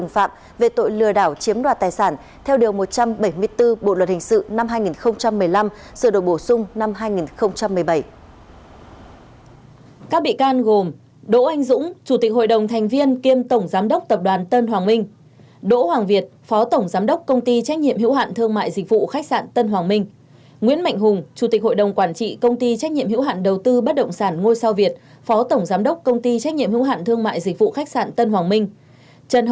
phó tổng giám đốc công ty trách nhiệm hữu hạn thương mại dịch vụ khách sạn tân hoàng minh